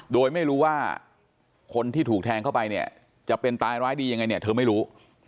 โดยไม่รู้ว่าคนที่ถูกแทงเข้าไปเนี่ยจะเป็นตายร้ายดียังไงเนี่ยเธอไม่รู้